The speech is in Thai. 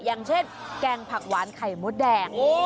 อย่างเช่นแกงผักหวานไข่มดแดง